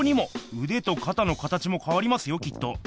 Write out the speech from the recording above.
うでとかたの形もかわりますよきっと。